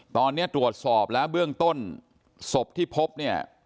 ตอนนี้ตรวจสอบแล้วเบื้องต้นศพที่พบเนี่ย